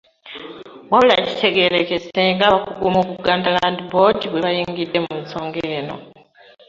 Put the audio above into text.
Wabula kitegeerekese ng'abakungu mu Buganda Land Board bwe bayingidde mu nsonga eno